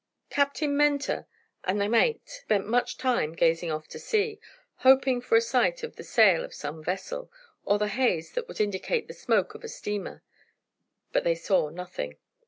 Captain Mentor and the mate spent much time gazing off to sea, hoping for a sight of the sail of some vessel, or the haze that would indicate the smoke of a steamer. But they saw nothing.